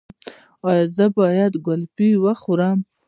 ایا زه باید ګلپي وخورم؟